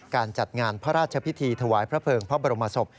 การจัดงานพระราชพิธีถวายพระเภิงพระบรมศพ